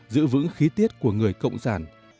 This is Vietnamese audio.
giữ vững khí tiết của người cộng sản